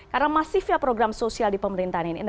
karena masih via program sosial di pemerintahan ini